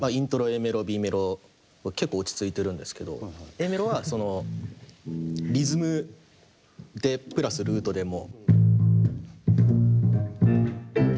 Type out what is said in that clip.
Ａメロはリズムでプラスルートでもう。